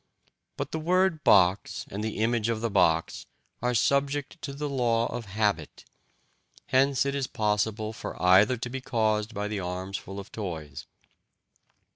But the word "box" and the image of the box are subject to the law of habit; hence it is possible for either to be caused by the arms full of toys.